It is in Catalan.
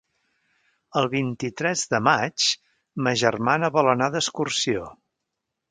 El vint-i-tres de maig ma germana vol anar d'excursió.